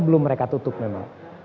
belum mereka tutup memang